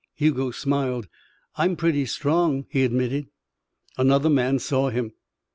Hugo smiled. "I'm pretty strong," he admitted. Another man saw him.